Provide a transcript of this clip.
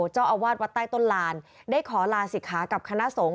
เจ้าอาวาสวัดใต้ต้นลานได้ขอลาศิกขากับคณะสงฆ